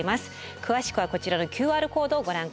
詳しくはこちらのＱＲコードをご覧ください。